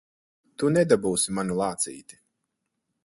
Tu nedabūsi manu lācīti!